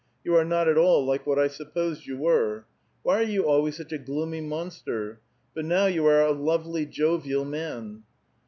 You are not at all like what I supiK)sed you were. Why are you always such a gloomy monster? But now you are a lovely, jovial man."